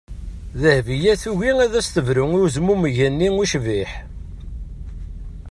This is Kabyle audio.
Dehbiya tugi ad as-tebru i wezmumeg-nni ucbiḥ.